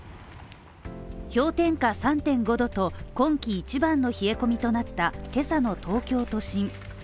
氷点下３．５℃と今季一番の冷え込みとなった今朝の東京都心。